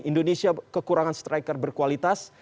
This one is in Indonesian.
indonesia kekurangan striker berkualitas